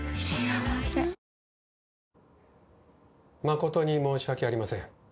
誠に申し訳ありません。